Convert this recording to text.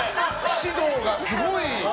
指導がすごい。